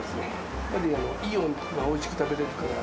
やっぱりいいお肉がおいしく食べられるから。